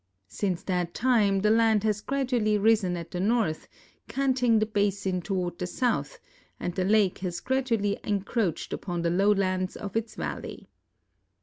Since that time the land has gradually risen at the north, canting the basin toward the south, and the lake has gradually encroacht upon the lowlands of its valley.